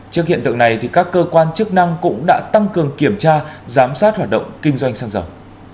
trước hiện tượng này các cơ quan chức năng cũng đã tăng cường kiểm tra giám sát hoạt động kinh doanh xăng dầu